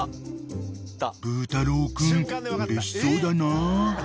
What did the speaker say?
［ブー太郎君うれしそうだなぁ］